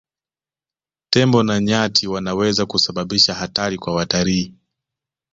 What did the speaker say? Tembo na nyati wanaweza kusababisha hatari kwa watalii